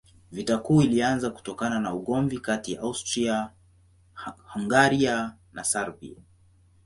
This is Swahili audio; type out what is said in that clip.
Vita Kuu ilianza kutokana na ugomvi kati ya Austria-Hungaria na Serbia.